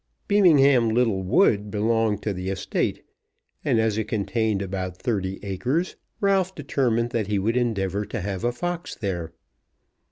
Beamingham Little Wood belonged to the estate, and, as it contained about thirty acres, Ralph determined that he would endeavour to have a fox there.